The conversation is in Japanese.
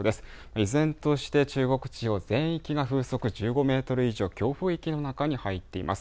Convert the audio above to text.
依然として中国地方全域が風速１５メートル以上強風域の中に入っています。